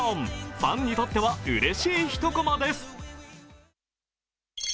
ファンにとってはうれしい一こまです。